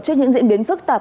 trước những diễn biến phức tạp